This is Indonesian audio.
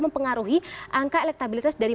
mempengaruhi angka elektabilitas dari